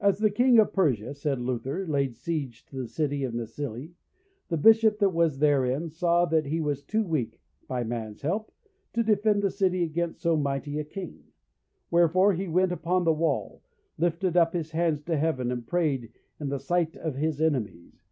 As the King of Persia, said Luther, laid siege to the city Nasili, the bishop that was therein saw that he was too weak (by man's help) to defend the city against so mighty a king; wherefore he went upon the wall, lifted up his hands to Heaven, and prayed, in the sight of his enemies.